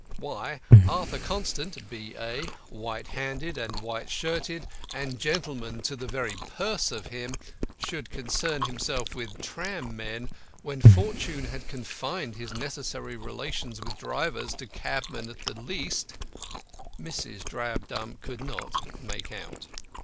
Why Arthur Constant, B.A. white handed and white shirted, and gentleman to the very purse of him should concern himself with tram men, when fortune had confined his necessary relations with drivers to cabmen at the least, Mrs. Drabdump could not quite make out.